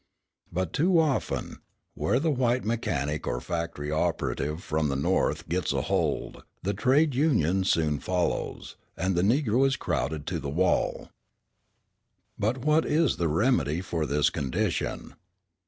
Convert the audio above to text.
But too often, where the white mechanic or factory operative from the North gets a hold, the trades union soon follows, and the Negro is crowded to the wall. But what is the remedy for this condition?